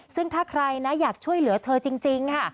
ซึ่งถ้าใครนะอยากช่วยเหลือเธอจริงค่ะ